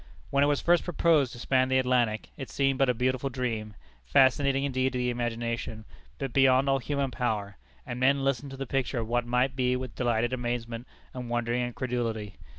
When it was first proposed to span the Atlantic, it seemed but a beautiful dream, fascinating indeed to the imagination, but beyond all human power; and men listened to the picture of what might be with delighted amazement and wondering incredulity.